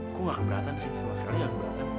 aku gak keberatan sih sama sekali gak keberatan